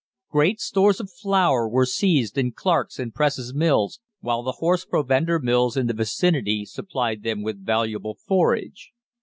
Great stores of flour were seized in Clarke's and Press's mills, while the horse provender mills in the vicinity supplied them with valuable forage.